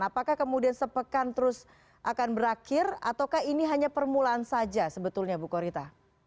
apakah kemudian sepekan terus akan berakhir ataukah ini hanya permulaan saja sebetulnya bu korita